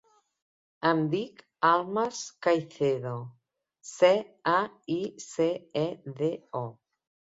Em dic Almas Caicedo: ce, a, i, ce, e, de, o.